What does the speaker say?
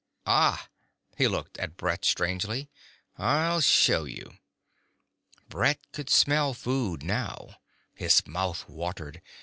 "Ah." He looked at Brett strangely. "I'll show you." Brett could smell food now. His mouth watered.